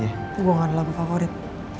itu gua gak ada lagu favorit